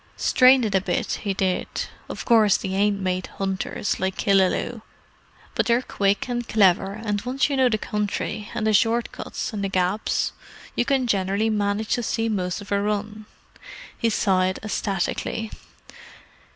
Strained it a bit, 'e did. Of course they ain't made hunters, like Killaloe; but they're quick and clever, and once you know the country, and the short cuts, and the gaps, you can generally manage to see most of a run." He sighed ecstatically.